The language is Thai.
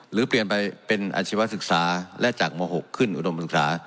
หรือเปลี่ยนไปเป็นอาชีวศึกษาและจากม๖ขึ้นอุดมศึกษา